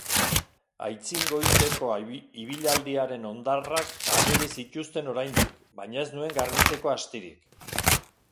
Aitzin goizeko ibilaldiaren hondarrak ageri zituzten oraindik, baina ez nuen garbitzeko astirik.